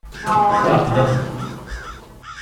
Cfiɣ fell-akent.